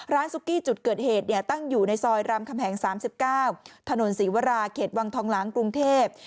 ซุกี้จุดเกิดเหตุตั้งอยู่ในซอยรามคำแหง๓๙ถนนศรีวราเขตวังทองหลังกรุงเทพ